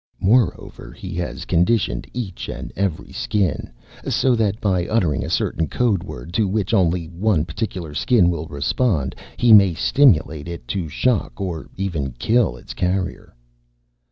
Moreover, he has conditioned each and every Skin so that, by uttering a certain code word to which only one particular Skin will respond, he may stimulate it to shock or even to kill its carrier."